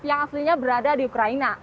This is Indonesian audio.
yang aslinya berada di ukraina